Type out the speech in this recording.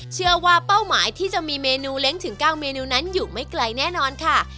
เป้าหมายที่จะมีเมนูเล้งถึง๙เมนูนั้นอยู่ไม่ไกลแน่นอนค่ะ